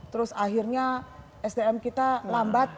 terus akhirnya sdm kita lambat